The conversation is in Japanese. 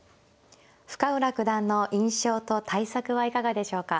深浦九段の印象と対策はいかがでしょうか。